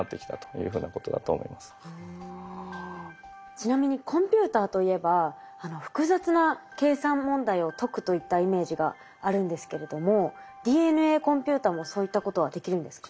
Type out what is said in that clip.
ちなみにコンピューターといえば複雑な計算問題を解くといったイメージがあるんですけれどもＤＮＡコンピューターもそういったことはできるんですか？